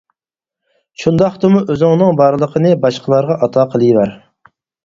شۇنداقتىمۇ ئۆزۈڭنىڭ بارلىقىنى باشقىلارغا ئاتا قىلىۋەر.